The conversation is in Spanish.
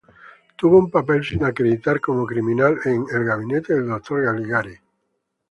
Tuvo un papel sin acreditar como criminal en "El gabinete del doctor Caligari".